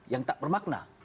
yang tak bermakna